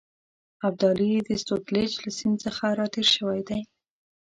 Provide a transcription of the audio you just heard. ابدالي د سوتلیج له سیند څخه را تېر شوی دی.